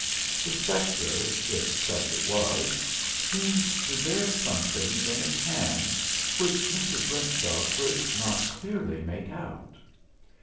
The spectre, if such it was, seemed to bear something in its hands which Mr. Brentshaw could not clearly make out.